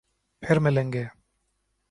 پھر ملیں گے